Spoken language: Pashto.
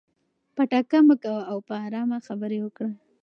پټکه مه کوه او په ارامه خبرې وکړه.